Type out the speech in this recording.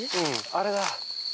あれだ。